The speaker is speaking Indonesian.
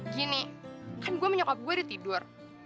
gini kan gue sama nyokap gue dia tidur